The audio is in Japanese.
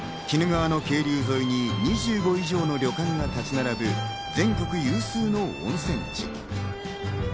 鬼怒川の渓流沿いに２５以上の旅館が立ち並ぶ、全国有数の温泉地。